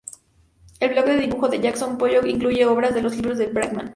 El bloc de dibujo de Jackson Pollock incluye obras de los libros de Bridgman.